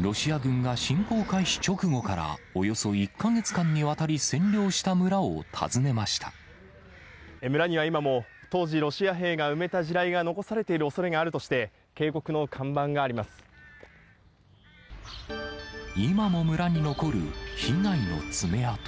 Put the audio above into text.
ロシア軍が侵攻開始直後からおよそ１か月間にわたり占領した村を村には今も、当時、ロシア兵が埋めた地雷が残されているおそれがあるとして、警告の今も村に残る被害の爪痕。